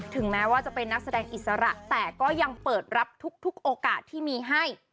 แม้ว่าจะเป็นนักแสดงอิสระแต่ก็ยังเปิดรับทุกโอกาสที่มีให้